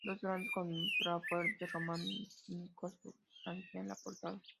Dos grandes contrafuertes románicos flanquean la portada.